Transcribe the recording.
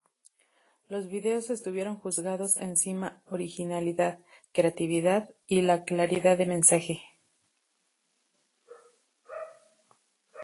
Los vídeos estuvieron juzgados encima originalidad, creatividad, y la claridad de mensaje.